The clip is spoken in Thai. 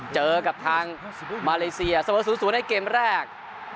เจอกับทางมาเลเซียเสมอ๐๐ในเกมแรก